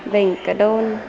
vịnh cả đôn